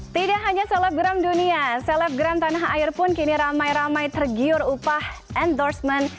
tidak hanya selebgram dunia selebgram tanah air pun kini ramai ramai tergiur upah endorsement